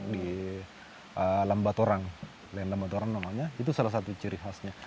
di lamba torang leng lamba torang namanya itu salah satu ciri khasnya